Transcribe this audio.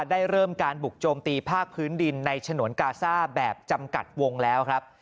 ได้เริ่มการบุกโจมตีภาคพื้นดินในฉนวนกาซ่าแบบจำกัดวงแล้วครับ